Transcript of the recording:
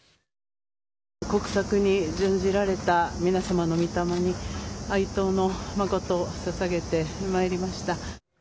国策に殉じられた皆様の御霊に哀悼の誠をささげてまいりました。